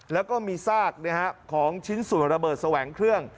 แล้วก็มีซากของชิ้นส่วนระเบิดแสวงเครื่อง